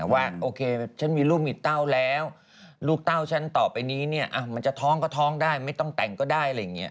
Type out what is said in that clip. ว่าโอเคฉันมีลูกมีเต้าแล้วลูกเต้าฉันต่อไปนี้เนี่ยมันจะท้องก็ท้องได้ไม่ต้องแต่งก็ได้อะไรอย่างนี้